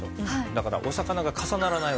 だからお魚が重ならないわけで。